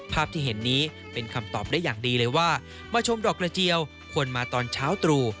ภาพที่เห็นนี้เป็นคำตอบได้อย่างดีเลยว่ามาชมดอกกระเจียวควรมาตอนเช้าตรู่